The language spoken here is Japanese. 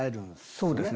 そうですね